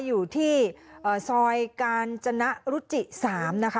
อยู่ที่ซอยกาญจนะรุจิ๓นะคะ